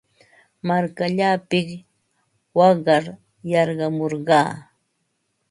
Markallaapiq waqar yarqamurqaa.